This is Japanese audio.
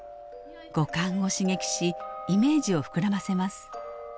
五感を刺激しイメージを膨らませます。